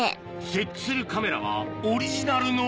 設置するカメラはオリジナルの。